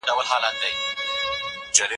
پلار به وويل بېرېږئ